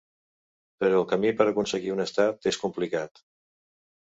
Però el camí per a aconseguir un estat és complicat.